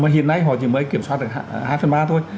mà hiện nay họ chỉ mới kiểm soát được hai phần ba thôi